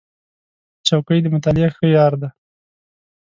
چوکۍ د مطالعې ښه یار دی.